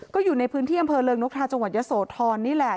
ก็อยู่ในพื้นที่อำเภอเริงนกทาจังหวัดยะโสธรนี่แหละ